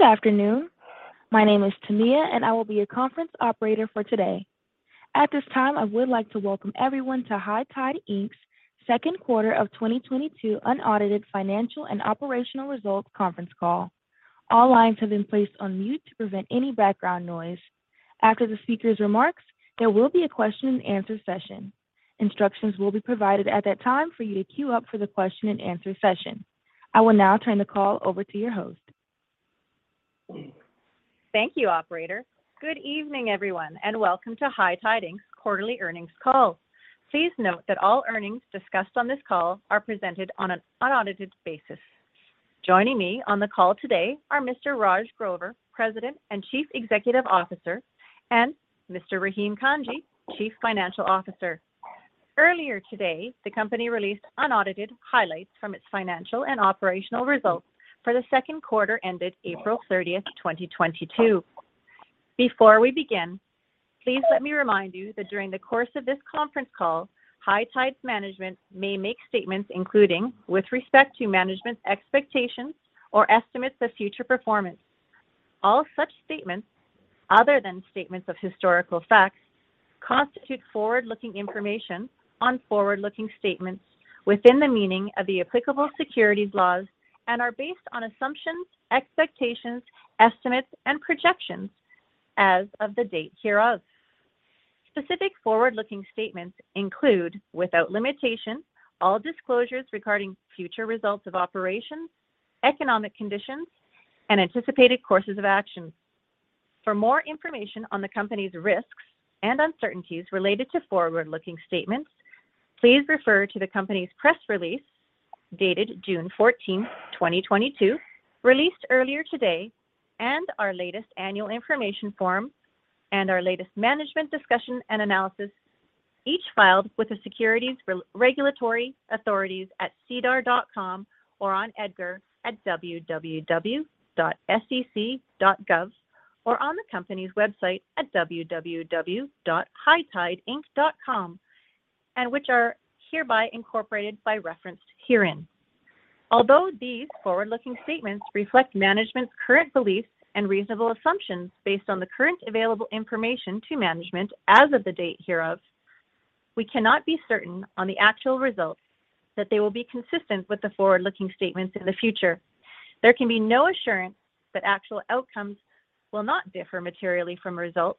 Good afternoon. My name is Tania, and I will be your conference operator for today. At this time, I would like to welcome everyone to High Tide Inc's second quarter of 2022 unaudited financial and operational results conference call. All lines have been placed on mute to prevent any background noise. After the speaker's remarks, there will be a question and answer session. Instructions will be provided at that time for you to queue up for the question-and-answer session. I will now turn the call over to your host. Thank you, operator. Good evening, everyone, and welcome to High Tide Inc's quarterly earnings call. Please note that all earnings discussed on this call are presented on an unaudited basis. Joining me on the call today are Mr. Raj Grover, President and Chief Executive Officer, and Mr. Rahim Kanji, Chief Financial Officer. Earlier today, the company released unaudited highlights from its financial and operational results for the second quarter ended April 30th, 2022. Before we begin, please let me remind you that during the course of this conference call, High Tide's management may make statements, including with respect to management's expectations or estimates of future performance. All such statements, other than statements of historical facts, constitute forward-looking information or forward-looking statements within the meaning of the applicable securities laws and are based on assumptions, expectations, estimates, and projections as of the date hereof. Specific forward-looking statements include, without limitation, all disclosures regarding future results of operations, economic conditions, and anticipated courses of action. For more information on the company's risks and uncertainties related to forward-looking statements, please refer to the company's press release dated June fourteenth, 2022, released earlier today, and our latest annual information form and our latest management discussion and analysis, each filed with the securities regulatory authorities at sedar.com or on EDGAR at www.sec.gov or on the company's website at www.hightideinc.com, and which are hereby incorporated by reference herein. Although these forward-looking statements reflect management's current beliefs and reasonable assumptions based on the current available information to management as of the date hereof, we cannot be certain on the actual results that they will be consistent with the forward-looking statements in the future. There can be no assurance that actual outcomes will not differ materially from results.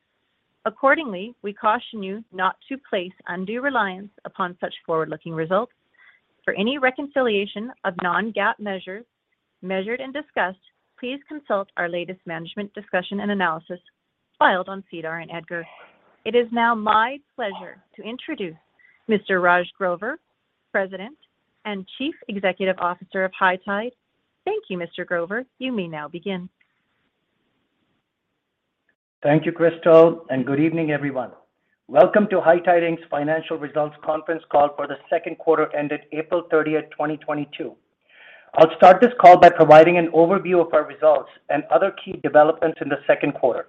Accordingly, we caution you not to place undue reliance upon such forward-looking results. For any reconciliation of non-GAAP measures, measured and discussed, please consult our latest management discussion and analysis filed on SEDAR and EDGAR. It is now my pleasure to introduce Mr. Raj Grover, President and Chief Executive Officer of High Tide. Thank you, Mr. Grover. You may now begin. Thank you, Krystal, and good evening, everyone. Welcome to High Tide Inc's Financial Results conference call for the second quarter ended April 30th, 2022. I'll start this call by providing an overview of our results and other key developments in the second quarter.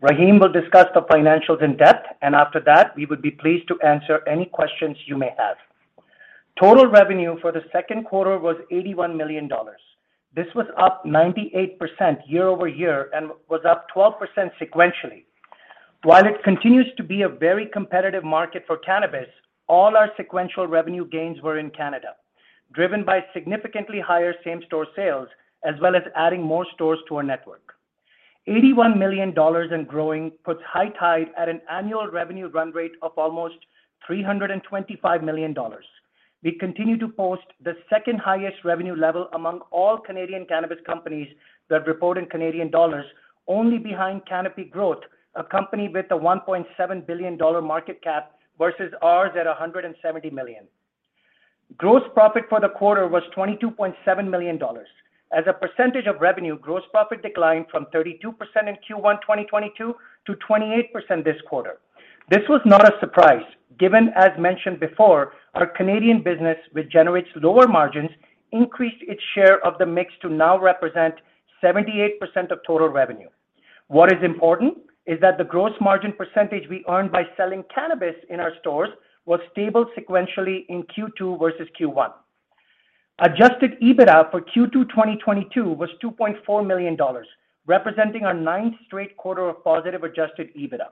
Rahim will discuss the financials in-depth, and after that, we would be pleased to answer any questions you may have. Total revenue for the second quarter was 81 million dollars. This was up 98% year-over-year and was up 12% sequentially. While it continues to be a very competitive market for cannabis, all our sequential revenue gains were in Canada, driven by significantly higher same-store sales, as well as adding more stores to our network. 81 million dollars and growing puts High Tide at an annual revenue run rate of almost 325 million dollars. We continue to post the second highest revenue level among all Canadian cannabis companies that report in Canadian dollars, only behind Canopy Growth, a company with a 1.7 billion dollar market cap versus ours at 170 million. Gross profit for the quarter was 22.7 million dollars. As a percentage of revenue, gross profit declined from 32% in Q1 2022 to 28% this quarter. This was not a surprise, given, as mentioned before, our Canadian business, which generates lower margins, increased its share of the mix to now represent 78% of total revenue. What is important is that the gross margin percentage we earned by selling cannabis in our stores was stable sequentially in Q2 versus Q1. Adjusted EBITDA for Q2 2022 was 2.4 million dollars, representing our ninth straight quarter of positive adjusted EBITDA,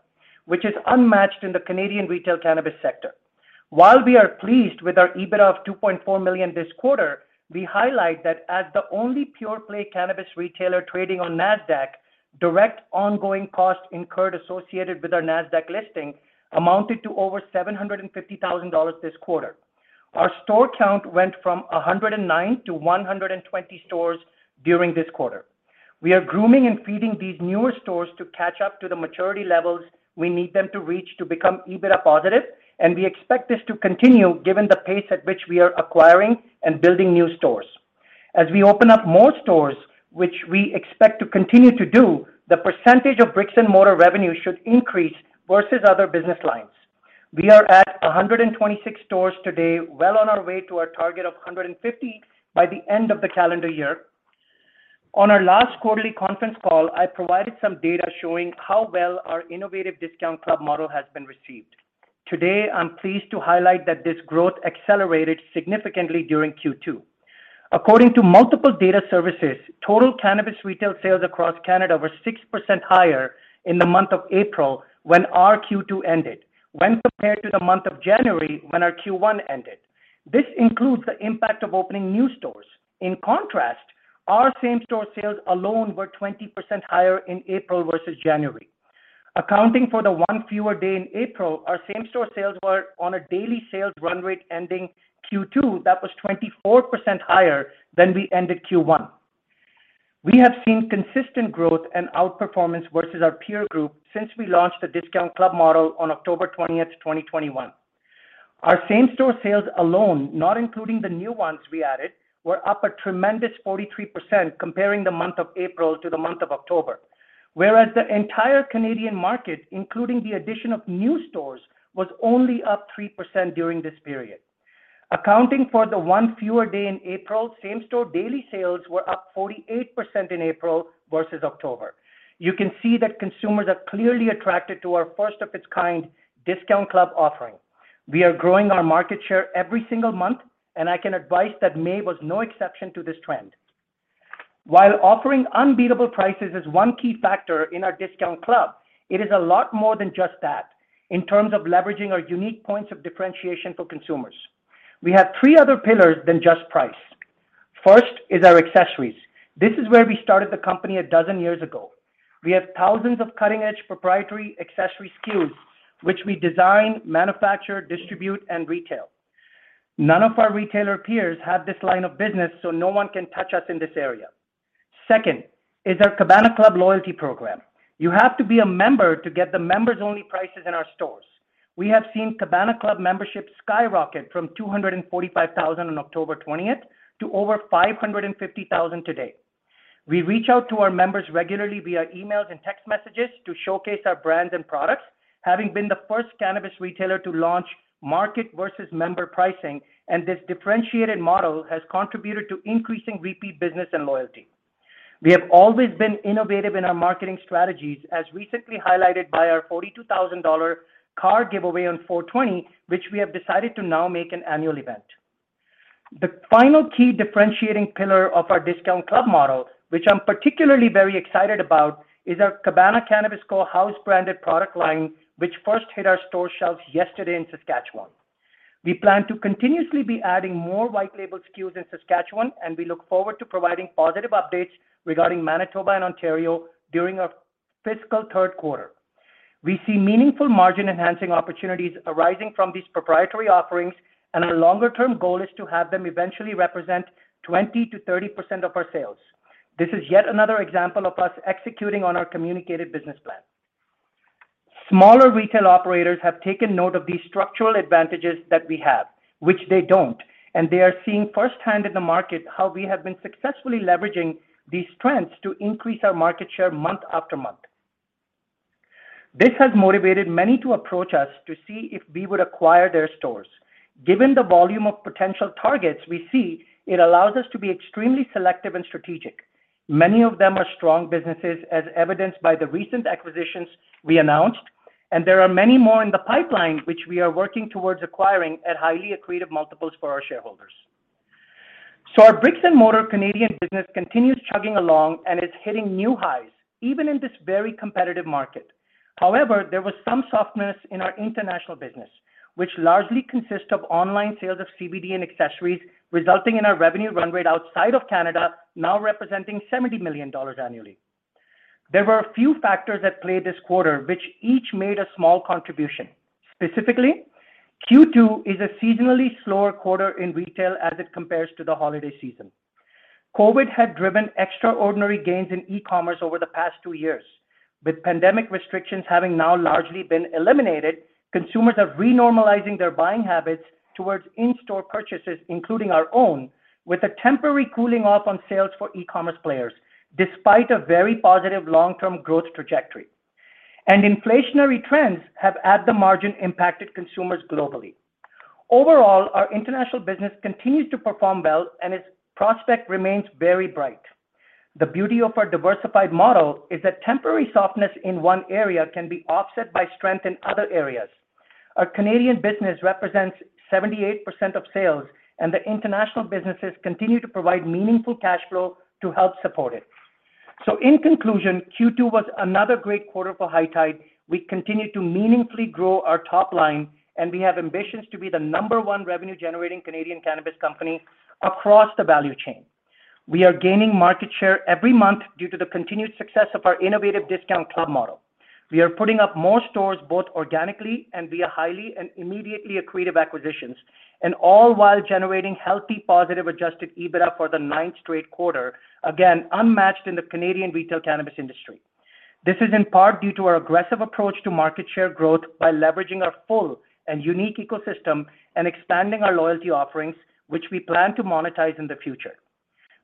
which is unmatched in the Canadian retail cannabis sector. While we are pleased with our EBITDA of 2.4 million this quarter, we highlight that as the only pure play cannabis retailer trading on Nasdaq, direct ongoing costs incurred associated with our Nasdaq listing amounted to over 750,000 dollars this quarter. Our store count went from 109 to 120 stores during this quarter. We are grooming and feeding these newer stores to catch up to the maturity levels we need them to reach to become EBITDA positive, and we expect this to continue given the pace at which we are acquiring and building new stores. As we open up more stores, which we expect to continue to do, the percentage of bricks and mortar revenue should increase versus other business lines. We are at 126 stores today, well on our way to our target of 150 by the end of the calendar year. On our last quarterly conference call, I provided some data showing how well our innovative discount club model has been received. Today, I'm pleased to highlight that this growth accelerated significantly during Q2. According to multiple data services, total cannabis retail sales across Canada were 6% higher in the month of April when our Q2 ended when compared to the month of January when our Q1 ended. This includes the impact of opening new stores. In contrast, our same-store sales alone were 20% higher in April versus January. Accounting for the one fewer day in April, our same-store sales were on a daily sales run rate ending Q2 that was 24% higher than we ended Q1. We have seen consistent growth and outperformance versus our peer group since we launched the discount club model on October 20th, 2021. Our same-store sales alone, not including the new ones we added, were up a tremendous 43% comparing the month of April to the month of October. Whereas the entire Canadian market, including the addition of new stores, was only up 3% during this period. Accounting for the one fewer day in April, same-store daily sales were up 48% in April versus October. You can see that consumers are clearly attracted to our first-of-its-kind discount club offering. We are growing our market share every single month, and I can advise that May was no exception to this trend. While offering unbeatable prices is one key factor in our discount club, it is a lot more than just that in terms of leveraging our unique points of differentiation for consumers. We have three other pillars than just price. First is our accessories. This is where we started the company a dozen years ago. We have thousands of cutting-edge proprietary accessory SKUs, which we design, manufacture, distribute, and retail. None of our retailer peers have this line of business, so no one can touch us in this area. Second is our Cabana Club loyalty program. You have to be a member to get the members-only prices in our stores. We have seen Cabana Club membership skyrocket from 245,000 on October 20th to over 550,000 today. We reach out to our members regularly via emails and text messages to showcase our brands and products, having been the first cannabis retailer to launch market versus member pricing, and this differentiated model has contributed to increasing repeat business and loyalty. We have always been innovative in our marketing strategies, as recently highlighted by our 42,000 dollar car giveaway on 4/20, which we have decided to now make an annual event. The final key differentiating pillar of our discount club model, which I'm particularly very excited about, is our Cabana Cannabis Co house branded product line, which first hit our store shelves yesterday in Saskatchewan. We plan to continuously be adding more white-label SKUs in Saskatchewan, and we look forward to providing positive updates regarding Manitoba and Ontario during our fiscal third quarter. We see meaningful margin-enhancing opportunities arising from these proprietary offerings, and our longer-term goal is to have them eventually represent 20%-30% of our sales. This is yet another example of us executing on our communicated business plan. Smaller retail operators have taken note of these structural advantages that we have, which they don't, and they are seeing firsthand in the market how we have been successfully leveraging these strengths to increase our market share month after month. This has motivated many to approach us to see if we would acquire their stores. Given the volume of potential targets we see, it allows us to be extremely selective and strategic. Many of them are strong businesses, as evidenced by the recent acquisitions we announced, and there are many more in the pipeline which we are working towards acquiring at highly accretive multiples for our shareholders. Our bricks-and-mortar Canadian business continues chugging along and is hitting new highs, even in this very competitive market. However, there was some softness in our international business, which largely consists of online sales of CBD and accessories, resulting in our revenue run rate outside of Canada now representing 70 million dollars annually. There were a few factors at play this quarter which each made a small contribution. Specifically, Q2 is a seasonally slower quarter in retail as it compares to the holiday season. COVID had driven extraordinary gains in e-commerce over the past two years. With pandemic restrictions having now largely been eliminated, consumers are renormalizing their buying habits towards in-store purchases, including our own, with a temporary cooling off on sales for e-commerce players, despite a very positive long-term growth trajectory. Inflationary trends have, at the margin, impacted consumers globally. Overall, our international business continues to perform well, and its prospect remains very bright. The beauty of our diversified model is that temporary softness in one area can be offset by strength in other areas. Our Canadian business represents 78% of sales, and the international businesses continue to provide meaningful cash flow to help support it. In conclusion, Q2 was another great quarter for High Tide. We continue to meaningfully grow our top line, and we have ambitions to be the number one revenue-generating Canadian cannabis company across the value chain. We are gaining market share every month due to the continued success of our innovative discount club model. We are putting up more stores both organically and via highly and immediately accretive acquisitions, and all while generating healthy, positive, adjusted EBITDA for the ninth straight quarter, again, unmatched in the Canadian retail cannabis industry. This is in part due to our aggressive approach to market share growth by leveraging our full and unique ecosystem and expanding our loyalty offerings, which we plan to monetize in the future.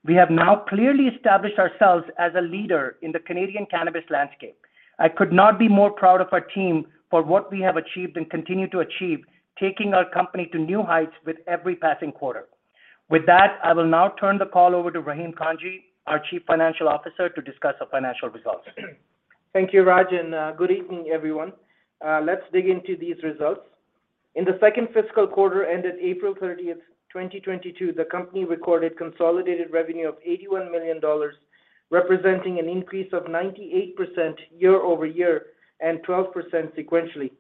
We have now clearly established ourselves as a leader in the Canadian cannabis landscape. I could not be more proud of our team for what we have achieved and continue to achieve, taking our company to new heights with every passing quarter. With that, I will now turn the call over to Rahim Kanji, our Chief Financial Officer, to discuss our financial results. Thank you, Raj, and good evening, everyone. Let's dig into these results. In the second fiscal quarter ending April 30th, 2022, the company recorded consolidated revenue of 81 million dollars, representing an increase of 98% year-over-year and 12% sequentially.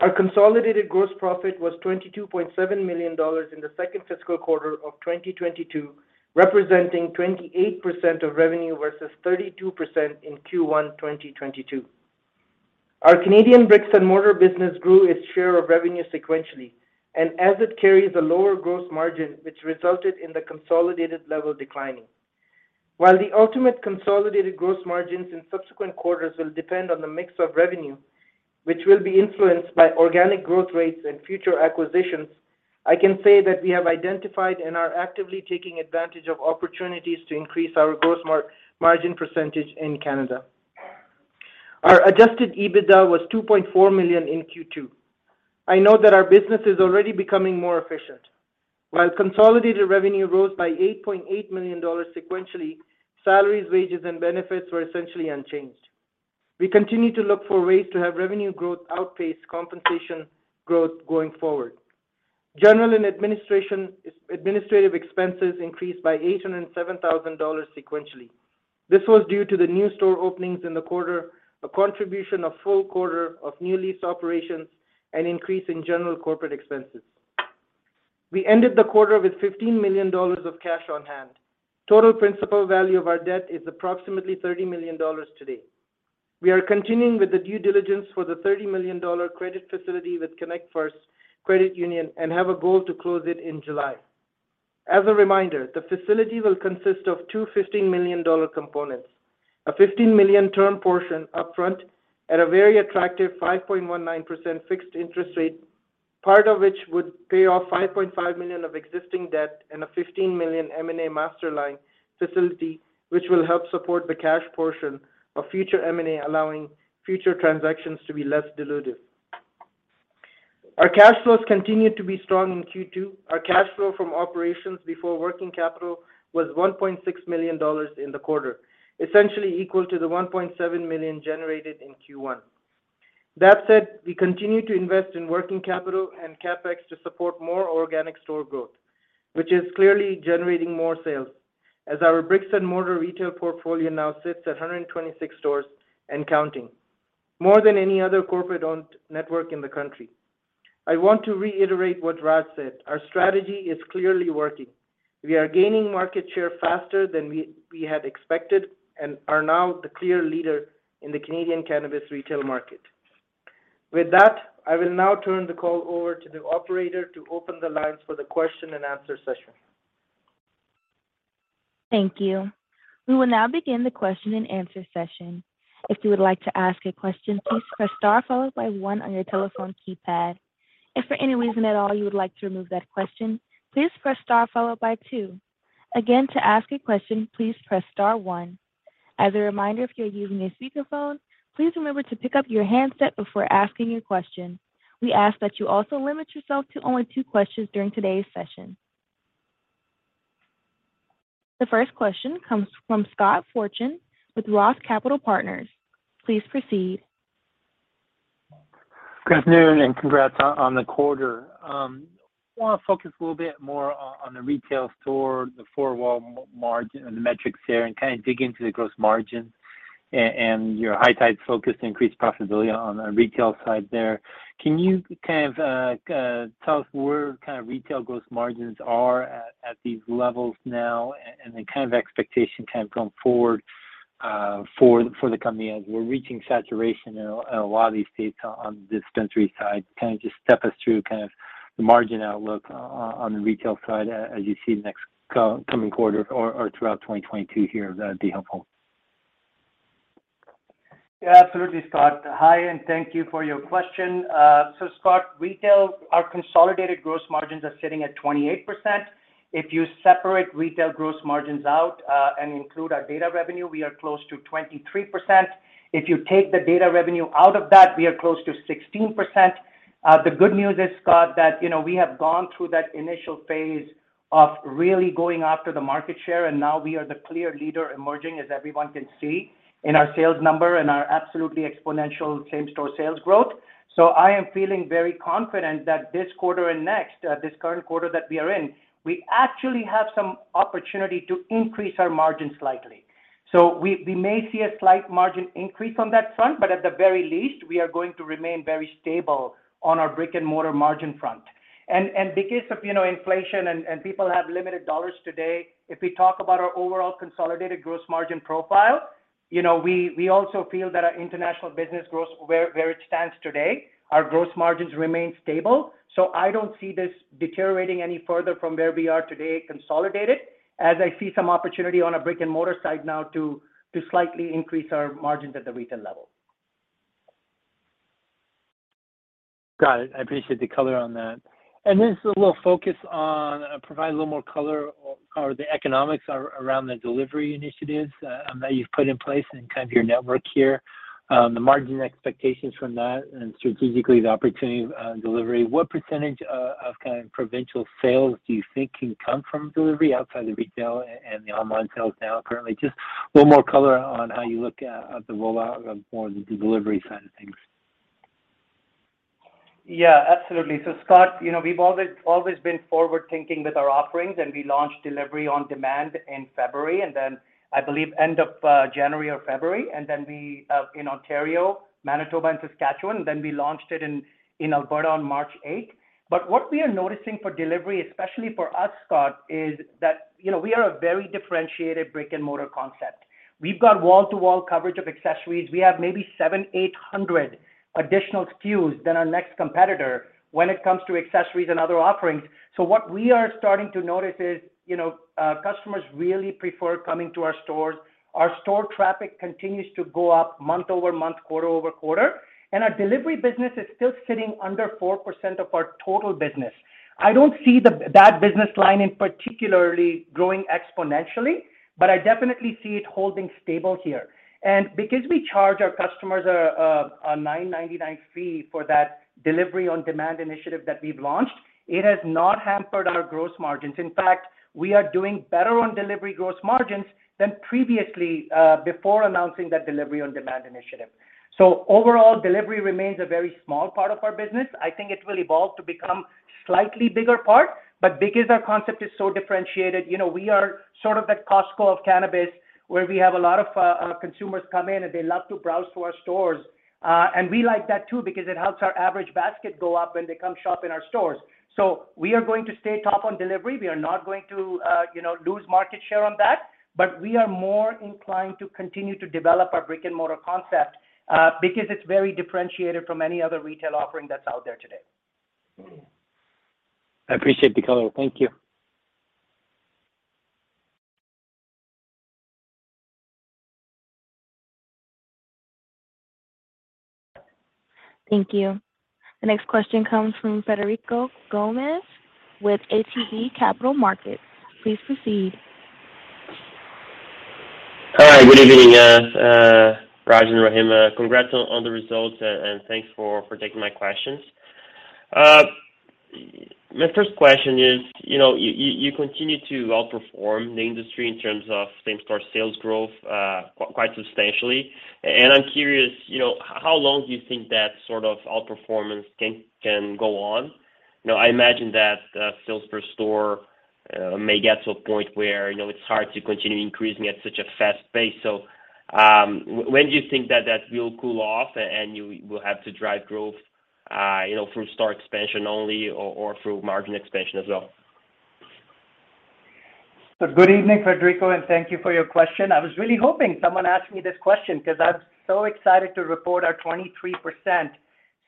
Our consolidated gross profit was 22.7 million dollars in the second fiscal quarter of 2022, representing 28% of revenue versus 32% in Q1 2022. Our Canadian brick-and-mortar business grew its share of revenue sequentially, and as it carries a lower gross margin, which resulted in the consolidated level declining. While the ultimate consolidated gross margins in subsequent quarters will depend on the mix of revenue, which will be influenced by organic growth rates and future acquisitions, I can say that we have identified and are actively taking advantage of opportunities to increase our gross margin percentage in Canada. Our adjusted EBITDA was 2.4 million in Q2. I know that our business is already becoming more efficient. While consolidated revenue rose by 8.8 million dollars sequentially, salaries, wages, and benefits were essentially unchanged. We continue to look for ways to have revenue growth outpace compensation growth going forward. General and administrative expenses increased by 807,000 dollars sequentially. This was due to the new store openings in the quarter, a contribution of full quarter of new lease operations, and an increase in general corporate expenses. We ended the quarter with 15 million dollars of cash on hand. Total principal value of our debt is approximately 30 million dollars today. We are continuing with the due diligence for the 30 million dollar credit facility with connectFirst Credit Union and have a goal to close it in July. As a reminder, the facility will consist of two 15 million dollar components, a 15 million term portion upfront at a very attractive 5.19% fixed interest rate, part of which would pay off 5.5 million of existing debt and a 15 million M&A master line facility, which will help support the cash portion of future M&A, allowing future transactions to be less dilutive. Our cash flows continued to be strong in Q2. Our cash flow from operations before working capital was 1.6 million dollars in the quarter, essentially equal to the 1.7 million generated in Q1. That said, we continue to invest in working capital and CapEx to support more organic store growth, which is clearly generating more sales as our bricks and mortar retail portfolio now sits at 126 stores and counting, more than any other corporate-owned network in the country. I want to reiterate what Raj said. Our strategy is clearly working. We are gaining market share faster than we had expected and are now the clear leader in the Canadian cannabis retail market. With that, I will now turn the call over to the operator to open the lines for the question and answer session. Thank you. We will now begin the question and answer session. If you would like to ask a question, please press star followed by one on your telephone keypad. If for any reason at all you would like to remove that question, please press star followed by two. Again, to ask a question, please press star one. As a reminder, if you're using a speakerphone, please remember to pick up your handset before asking your question. We ask that you also limit yourself to only two questions during today's session. The first question comes from Scott Fortune with ROTH Capital Partners. Please proceed. Good afternoon and congrats on the quarter. Wanna focus a little bit more on the retail store, the four-wall margin and the metrics there, and kind of dig into the gross margin and your High Tide focus to increase profitability on the retail side there. Can you kind of tell us where kind of retail gross margins are at these levels now and the kind of expectation kind of going forward for the company as we're reaching saturation in a lot of these states on the dispensary side? Kind of just step us through kind of the margin outlook on the retail side as you see next coming quarter or throughout 2022 here, that'd be helpful. Yeah, absolutely, Scott. Hi, and thank you for your question. Scott, retail, our consolidated gross margins are sitting at 28%. If you separate retail gross margins out, and include our data revenue, we are close to 23%. If you take the data revenue out of that, we are close to 16%. The good news is, Scott, that, you know, we have gone through that initial phase of really going after the market share, and now we are the clear leader emerging, as everyone can see in our sales number and our absolutely exponential same-store sales growth. I am feeling very confident that this quarter and next, this current quarter that we are in, we actually have some opportunity to increase our margin slightly. We may see a slight margin increase on that front, but at the very least, we are going to remain very stable on our brick-and-mortar margin front. Because of, you know, inflation and people have limited dollars today, if we talk about our overall consolidated gross margin profile, you know, we also feel that our international business gross, where it stands today, our gross margins remain stable. I don't see this deteriorating any further from where we are today, consolidated, as I see some opportunity on a brick-and-mortar side now to slightly increase our margins at the retail level. Got it. I appreciate the color on that. Provide a little more color on the economics around the delivery initiatives that you've put in place and kind of your network here, the margin expectations from that and strategically the opportunity of delivery, what percentage of kind of provincial sales do you think can come from delivery outside of retail and the online sales now currently? Just a little more color on how you look at the rollout of the delivery side of things. Yeah, absolutely. Scott, you know, we've always been forward-thinking with our offerings, and we launched delivery on demand in February, and then I believe end of January or February. We in Ontario, Manitoba and Saskatchewan, then we launched it in Alberta on March 8. What we are noticing for delivery, especially for us, Scott, is that, you know, we are a very differentiated brick-and-mortar concept. We've got wall-to-wall coverage of accessories. We have maybe 700, 800 additional SKUs than our next competitor when it comes to accessories and other offerings. What we are starting to notice is, you know, customers really prefer coming to our stores. Our store traffic continues to go up month-over-month, quarter-over-quarter, and our delivery business is still sitting under 4% of our total business. I don't see that business line in particular growing exponentially, but I definitely see it holding stable here. Because we charge our customers a 9.99 fee for that delivery on-demand initiative that we've launched, it has not hampered our gross margins. In fact, we are doing better on delivery gross margins than previously before announcing that delivery on-demand initiative. Overall, delivery remains a very small part of our business. I think it will evolve to become slightly bigger part, but because our concept is so differentiated, you know, we are sort of that Costco of cannabis, where we have a lot of consumers come in, and they love to browse through our stores. We like that too because it helps our average basket go up when they come shop in our stores. We are going to stay top on delivery. We are not going to, you know, lose market share on that. We are more inclined to continue to develop our brick-and-mortar concept, because it's very differentiated from any other retail offering that's out there today. I appreciate the color. Thank you. Thank you. The next question comes from Frederico Gomes with ATB Capital Markets. Please proceed. Hi, good evening, Raj and Rahim. Congrats on the results and thanks for taking my questions. My first question is, you know, you continue to outperform the industry in terms of same-store sales growth, quite substantially. I'm curious, you know, how long do you think that sort of outperformance can go on? You know, I imagine that sales per store may get to a point where, you know, it's hard to continue increasing at such a fast pace. When do you think that will cool off and you will have to drive growth, you know, through store expansion only or through margin expansion as well? Good evening, Frederico, and thank you for your question. I was really hoping someone asked me this question because I'm so excited to report our 23%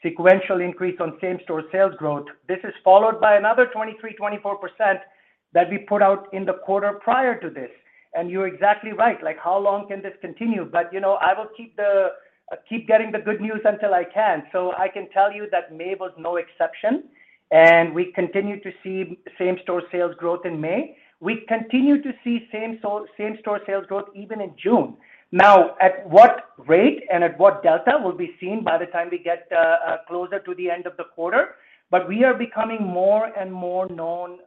sequential increase on same-store sales growth. This is followed by another 23%, 24% that we put out in the quarter prior to this. You're exactly right. Like, how long can this continue? You know, I will keep getting the good news until I can. I can tell you that May was no exception, and we continue to see same-store sales growth in May. We continue to see same-store sales growth even in June. Now, at what rate and at what delta will be seen by the time we get closer to the end of the quarter. We are becoming more and more known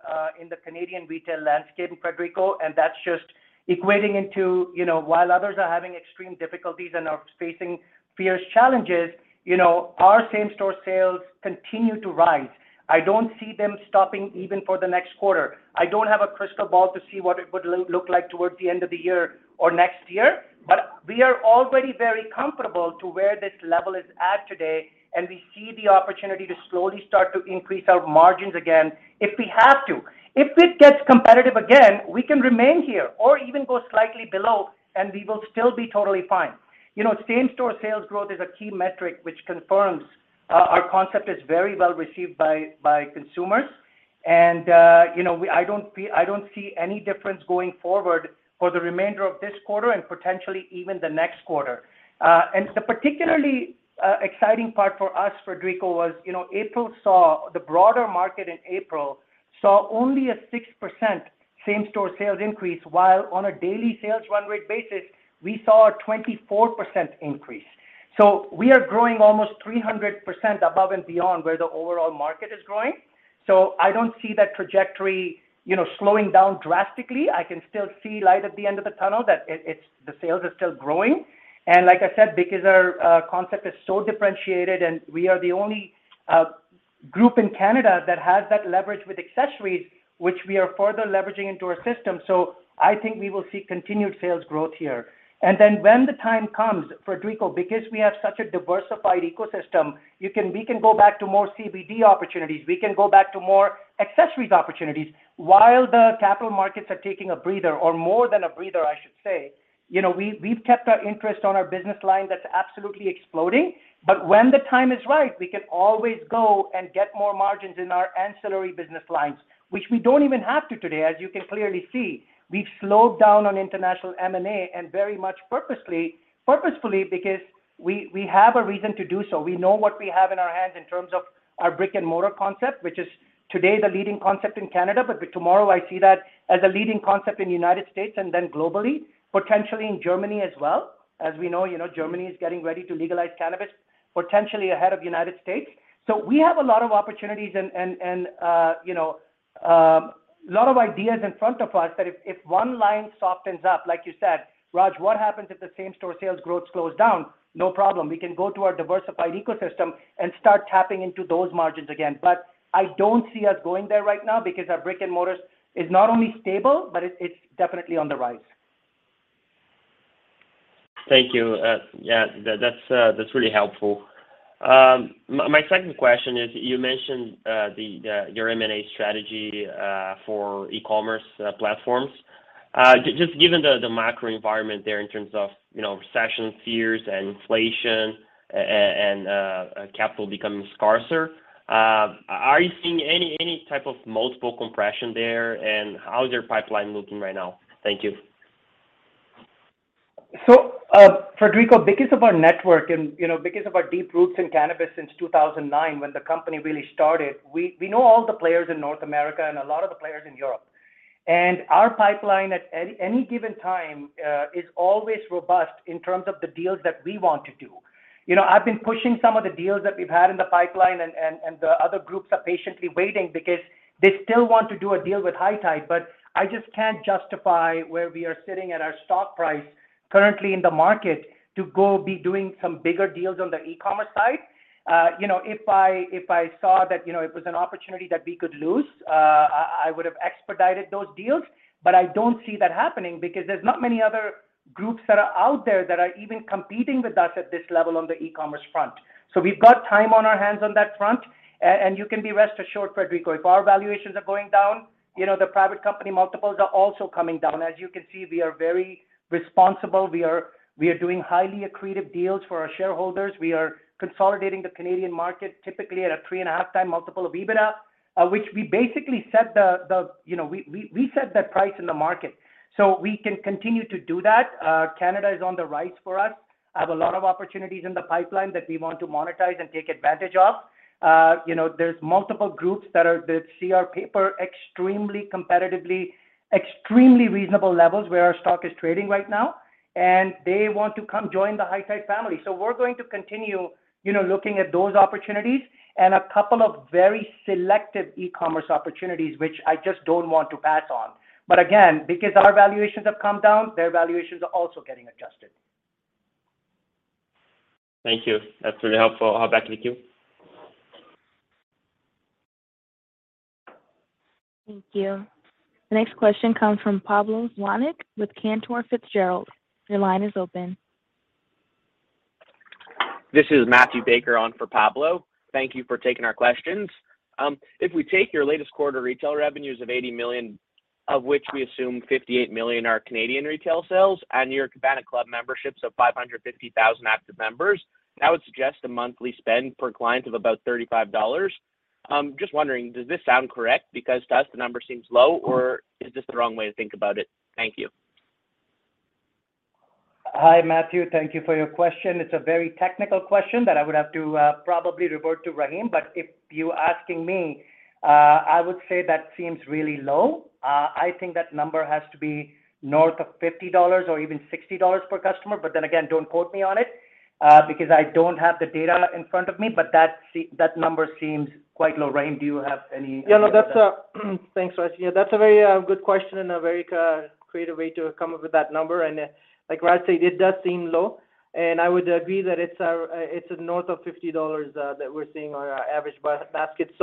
in the Canadian retail landscape, Frederico, and that's just equating into, you know, while others are having extreme difficulties and are facing fierce challenges, you know, our same-store sales continue to rise. I don't see them stopping even for the next quarter. I don't have a crystal ball to see what it would look like towards the end of the year or next year, but we are already very comfortable to where this level is at today, and we see the opportunity to slowly start to increase our margins again if we have to. If this gets competitive again, we can remain here or even go slightly below, and we will still be totally fine. You know, same-store sales growth is a key metric which confirms our concept is very well received by consumers. I don't see any difference going forward for the remainder of this quarter and potentially even the next quarter. The particularly exciting part for us, Federico, was the broader market in April saw only a 6% same-store sales increase, while on a daily sales run rate basis, we saw a 24% increase. We are growing almost 300% above and beyond where the overall market is growing. I don't see that trajectory slowing down drastically. I can still see light at the end of the tunnel, the sales are still growing. Like I said, because our concept is so differentiated and we are the only group in Canada that has that leverage with accessories, which we are further leveraging into our system. I think we will see continued sales growth here. Then when the time comes, Frederico, because we have such a diversified ecosystem, we can go back to more CBD opportunities. We can go back to more accessories opportunities. While the capital markets are taking a breather or more than a breather, I should say, you know, we've kept our interest on our business line that's absolutely exploding. When the time is right, we can always go and get more margins in our ancillary business lines, which we don't even have to today, as you can clearly see. We've slowed down on international M&A, and very much purposefully because we have a reason to do so. We know what we have in our hands in terms of our brick-and-mortar concept, which is today the leading concept in Canada. Tomorrow, I see that as a leading concept in the United States and then globally, potentially in Germany as well. As we know, you know, Germany is getting ready to legalize cannabis, potentially ahead of United States. We have a lot of opportunities and, you know, a lot of ideas in front of us that if one line softens up, like you said, Raj, what happens if the same-store sales growth slows down? No problem. We can go to our diversified ecosystem and start tapping into those margins again. I don't see us going there right now because our brick-and-mortars is not only stable, but it's definitely on the rise. Thank you. Yeah, that's really helpful. My second question is, you mentioned your M&A strategy for e-commerce platforms. Just given the macro environment there in terms of, you know, recession fears and inflation and capital becoming scarcer, are you seeing any type of multiple compression there, and how's your pipeline looking right now? Thank you. Frederico, because of our network and, you know, because of our deep roots in cannabis since 2009 when the company really started, we know all the players in North America and a lot of the players in Europe. Our pipeline at any given time is always robust in terms of the deals that we want to do. You know, I've been pushing some of the deals that we've had in the pipeline and the other groups are patiently waiting because they still want to do a deal with High Tide, but I just can't justify where we are sitting at our stock price currently in the market to go be doing some bigger deals on the e-commerce side. You know, if I saw that, you know, it was an opportunity that we could lose, I would have expedited those deals. I don't see that happening because there's not many other groups that are out there that are even competing with us at this level on the e-commerce front. We've got time on our hands on that front. You can be rest assured, Frederico, if our valuations are going down, you know, the private company multiples are also coming down. As you can see, we are very responsible. We are doing highly accretive deals for our shareholders. We are consolidating the Canadian market, typically at a 3.5x multiple of EBITDA, which we basically set. You know, we set that price in the market. We can continue to do that. Canada is on the rise for us. I have a lot of opportunities in the pipeline that we want to monetize and take advantage of. You know, there's multiple groups that see our paper extremely competitively, extremely reasonable levels where our stock is trading right now, and they want to come join the High Tide family. We're going to continue, you know, looking at those opportunities and a couple of very selective e-commerce opportunities, which I just don't want to pass on. Again, because our valuations have come down, their valuations are also getting adjusted. Thank you. That's really helpful. I'll go back to the queue. Thank you. The next question comes from Pablo Zuanic with Cantor Fitzgerald. Your line is open. This is Matthew Baker on for Pablo. Thank you for taking our questions. If we take your latest quarter retail revenues of 80 million, of which we assume 58 million are Canadian retail sales, and your Cabana Club memberships of 550,000 active members, that would suggest a monthly spend per client of about 35 dollars. Just wondering, does this sound correct? Because to us, the number seems low, or is this the wrong way to think about it? Thank you. Hi, Matthew. Thank you for your question. It's a very technical question that I would have to probably revert to Rahim. If you're asking me, I would say that seems really low. I think that number has to be north of 50 dollars or even 60 dollars per customer. Then again, don't quote me on it, because I don't have the data in front of me, but that number seems quite low. Rahim, do you have any- Yeah, no. That's. Thanks, Raj. Yeah, that's a very good question and a very creative way to come up with that number. Like Raj said, it does seem low, and I would agree that it's north of 50 dollars that we're seeing on our average basket.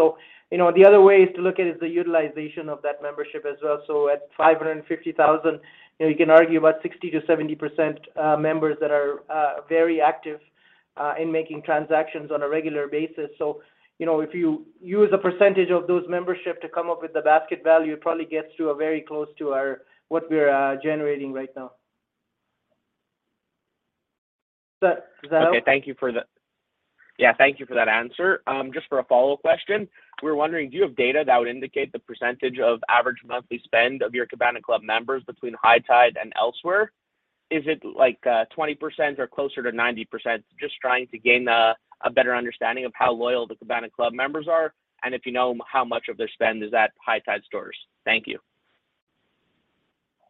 You know, the other way to look at is the utilization of that membership as well. At 550,000, you know, you can argue about 60%-70% members that are very active in making transactions on a regular basis. You know, if you use a percentage of those membership to come up with the basket value, it probably gets very close to what we're generating right now. Does that help? Okay. Thank you for that answer. Just for a follow-up question, we're wondering, do you have data that would indicate the percentage of average monthly spend of your Cabana Club members between High Tide and elsewhere? Is it like 20% or closer to 90%? Just trying to gain a better understanding of how loyal the Cabana Club members are, and if you know how much of their spend is at High Tide stores. Thank you.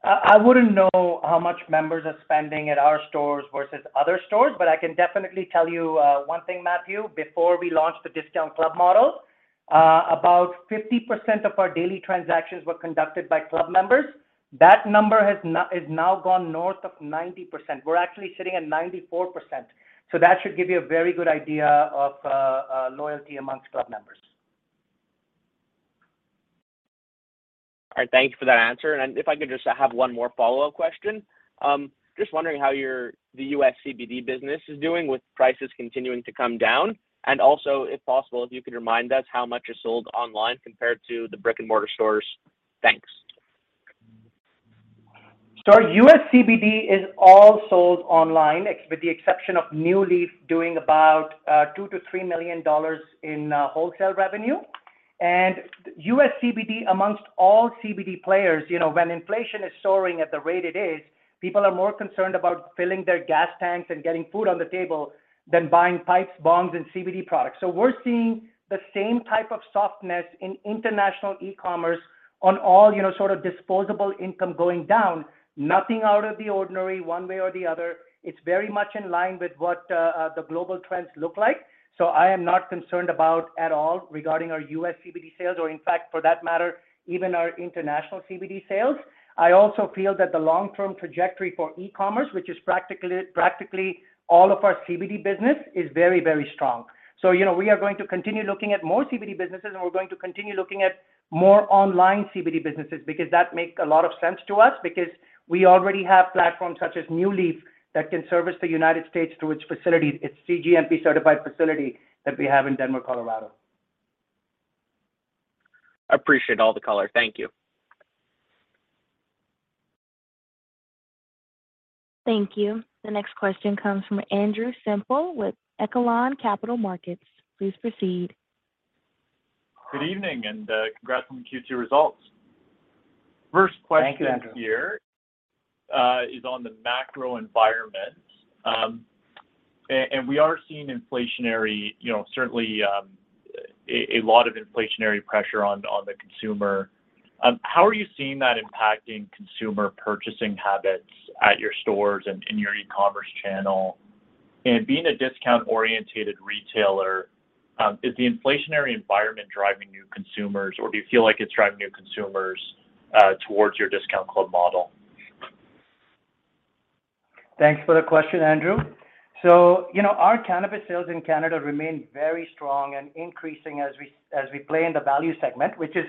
I wouldn't know how much members are spending at our stores versus other stores, but I can definitely tell you one thing, Matthew. Before we launched the discount club model, about 50% of our daily transactions were conducted by club members. That number has now gone north of 90%. We're actually sitting at 94%. That should give you a very good idea of loyalty amongst club members. All right. Thank you for that answer. If I could just have one more follow-up question. Just wondering how your, the U.S. CBD business is doing with prices continuing to come down. Also, if possible, if you could remind us how much is sold online compared to the brick-and-mortar stores. Thanks. Our U.S. CBD is all sold online, with the exception of NuLeaf doing about $2-$3 million in wholesale revenue. U.S. CBD among all CBD players, you know, when inflation is soaring at the rate it is, people are more concerned about filling their gas tanks and getting food on the table than buying pipes, bongs, and CBD products. We're seeing the same type of softness in international e-commerce overall, you know, sort of disposable income going down. Nothing out of the ordinary one way or the other. It's very much in line with what the global trends look like. I am not concerned about that at all regarding our U.S. CBD sales, or in fact, for that matter, even our international CBD sales. I also feel that the long-term trajectory for e-commerce, which is practically all of our CBD business, is very, very strong. You know, we are going to continue looking at more CBD businesses, and we're going to continue looking at more online CBD businesses because that makes a lot of sense to us because we already have platforms such as NuLeaf that can service the United States through its facilities, its CGMP-certified facility that we have in Denver, Colorado. Appreciate all the color. Thank you. Thank you. The next question comes from Andrew Semple with Echelon Capital Markets. Please proceed. Good evening, and, congrats on the Q2 results. Thank you, Andrew. First question here is on the macro environment. We are seeing inflationary, you know, certainly a lot of inflationary pressure on the consumer. How are you seeing that impacting consumer purchasing habits at your stores and in your e-commerce channel? Being a discount-oriented retailer, is the inflationary environment driving new consumers, or do you feel like it's driving new consumers towards your discount club model? Thanks for the question, Andrew. You know, our cannabis sales in Canada remain very strong and increasing as we play in the value segment, which is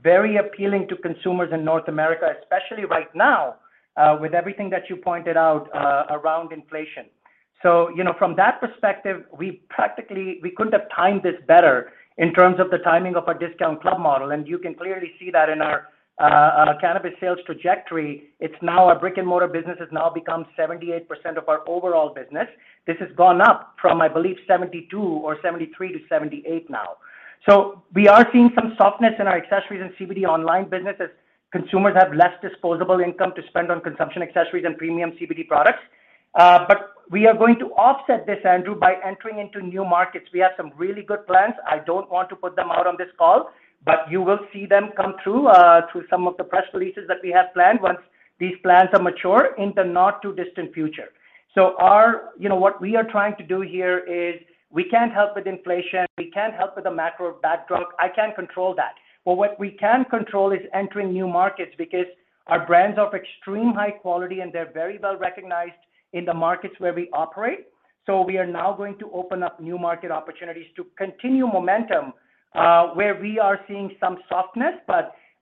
very appealing to consumers in North America, especially right now, with everything that you pointed out, around inflation. You know, from that perspective, we practically couldn't have timed this better in terms of the timing of our discount club model, and you can clearly see that in our cannabis sales trajectory. It's now our brick-and-mortar business has now become 78% of our overall business. This has gone up from, I believe, 72% or 73% to 78% now. We are seeing some softness in our accessories and CBD online business as consumers have less disposable income to spend on consumption accessories and premium CBD products. We are going to offset this, Andrew, by entering into new markets. We have some really good plans. I don't want to put them out on this call, but you will see them come through through some of the press releases that we have planned once these plans are mature in the not-too-distant future. You know, what we are trying to do here is we can't help with inflation. We can't help with the macro backdrop. I can't control that. What we can control is entering new markets because our brands are of extreme high quality, and they're very well-recognized in the markets where we operate. We are now going to open up new market opportunities to continue momentum where we are seeing some softness.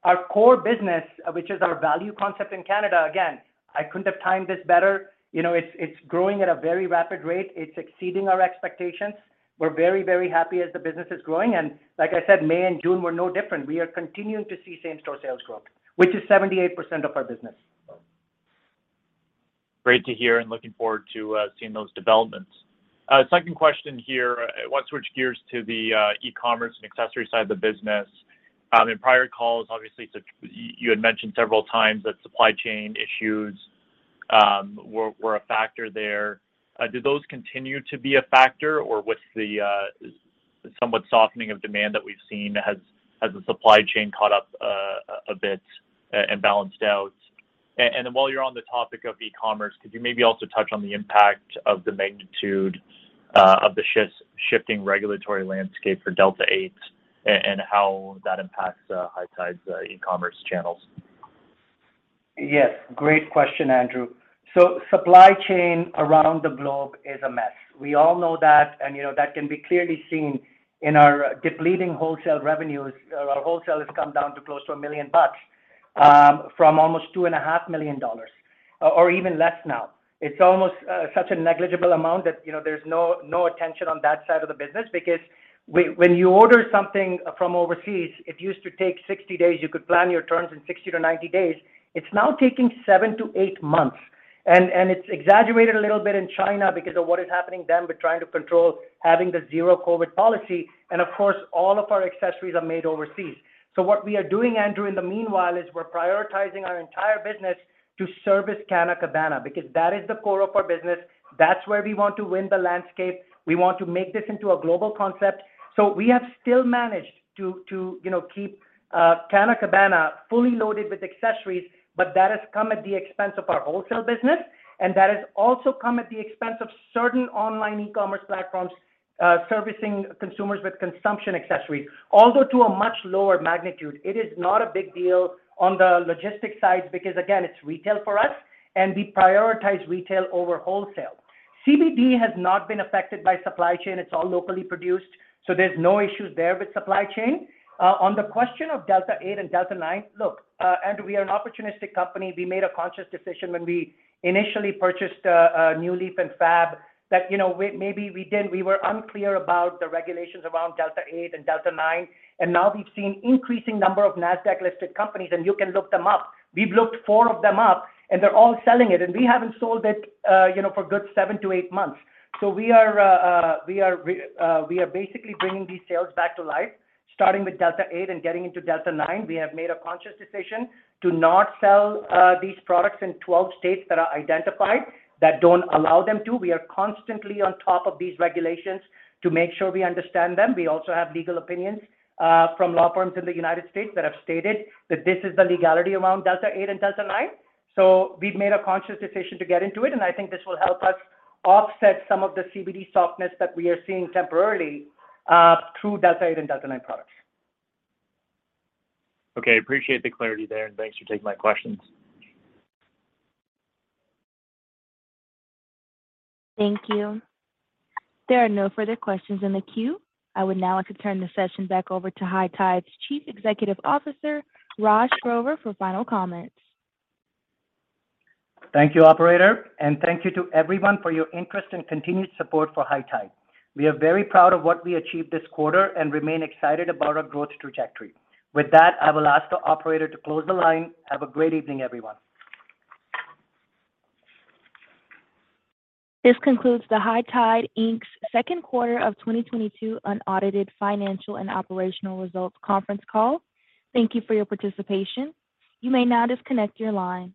Our core business, which is our value concept in Canada, again, I couldn't have timed this better. You know, it's growing at a very rapid rate. It's exceeding our expectations. We're very, very happy as the business is growing. Like I said, May and June were no different. We are continuing to see same-store sales growth, which is 78% of our business. Great to hear and looking forward to seeing those developments. Second question here. I wanna switch gears to the e-commerce and accessory side of the business. In prior calls, obviously you had mentioned several times that supply chain issues were a factor there. Do those continue to be a factor, or with the somewhat softening of demand that we've seen, has the supply chain caught up a bit and balanced out? While you're on the topic of e-commerce, could you maybe also touch on the impact of the magnitude of the shifting regulatory landscape for Delta-8 and how that impacts High Tide's e-commerce channels? Yes. Great question, Andrew. Supply chain around the globe is a mess. We all know that, and, you know, that can be clearly seen in our depleting wholesale revenues. Our wholesale has come down to close to 1 million bucks from almost 2.5 million dollars, or even less now. It's almost such a negligible amount that, you know, there's no attention on that side of the business because when you order something from overseas, it used to take 60 days. You could plan your terms in 60 to 90 days. It's now taking seven to eight months, and it's exaggerated a little bit in China because of what is happening to them with trying to control having the zero COVID policy. Of course, all of our accessories are made overseas. What we are doing, Andrew, in the meanwhile is we're prioritizing our entire business to service Canna Cabana because that is the core of our business. That's where we want to win the landscape. We want to make this into a global concept. We have still managed to, you know, keep Canna Cabana fully loaded with accessories, but that has come at the expense of our wholesale business, and that has also come at the expense of certain online e-commerce platforms servicing consumers with consumption accessories, although to a much lower magnitude. It is not a big deal on the logistics side because, again, it's retail for us, and we prioritize retail over wholesale. CBD has not been affected by supply chain. It's all locally produced, so there's no issues there with supply chain. On the question of Delta-8 and Delta-9, look, Andrew, we are an opportunistic company. We made a conscious decision when we initially purchased NuLeaf and FAB that, you know, maybe we didn't. We were unclear about the regulations around Delta-8 and Delta-9, and now we've seen increasing number of Nasdaq-listed companies, and you can look them up. We've looked four of them up, and they're all selling it, and we haven't sold it, you know, for a good seven to eight months. We are basically bringing these sales back to life, starting with Delta-8 and getting into Delta-9. We have made a conscious decision to not sell these products in 12 states that are identified that don't allow them to. We are constantly on top of these regulations to make sure we understand them. We also have legal opinions from law firms in the United States that have stated that this is the legality around Delta-8 and Delta-9. We've made a conscious decision to get into it, and I think this will help us offset some of the CBD softness that we are seeing temporarily through Delta-8 and Delta-9 products. Okay. Appreciate the clarity there, and thanks for taking my questions. Thank you. There are no further questions in the queue. I would now like to turn the session back over to High Tide's Chief Executive Officer, Raj Grover, for final comments. Thank you, operator, and thank you to everyone for your interest and continued support for High Tide. We are very proud of what we achieved this quarter and remain excited about our growth trajectory. With that, I will ask the operator to close the line. Have a great evening, everyone. This concludes the High Tide Inc's second quarter of 2022 unaudited financial and operational results conference call. Thank you for your participation. You may now disconnect your line.